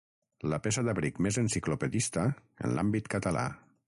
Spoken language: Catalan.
La peça d'abric més enciclopedista en l'àmbit català.